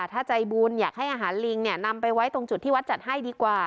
ถ้าใจบุญอยากให้อาหารลิงเนี่ยนำไปไว้ตรงจุดที่วัดจัดให้ดีกว่า